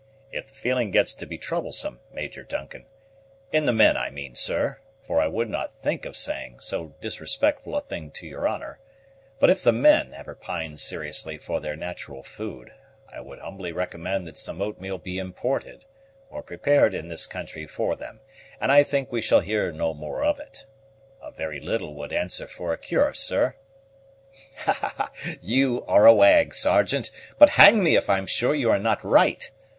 "If the feeling gets to be troublesome, Major Duncan, in the men, I mean, sir, for I would not think of saying so disrespectful a thing to your honor, but if the men ever pine seriously for their natural food, I would humbly recommend that some oatmeal be imported, or prepared in this country for them, and I think we shall hear no more of it. A very little would answer for a cure, sir." "You are a wag, Sergeant; but hang me if I am sure you are not right.